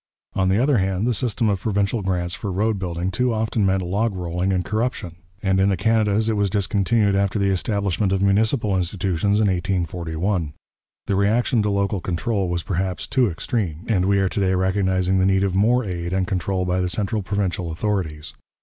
On the other hand, the system of provincial grants for road building too often meant log rolling and corruption, and in the Canadas it was discontinued after the establishment of municipal institutions in 1841. The reaction to local control was perhaps too extreme, and we are to day recognizing the need of more aid and control by the central provincial authorities.